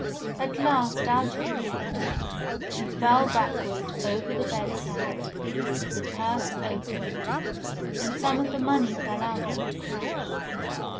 At last out it came, she fell backward over the bed side, the purse opened, and some of the money fell out with a crash.